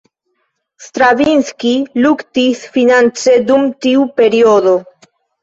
Stravinski luktis finance dum tiu periodo.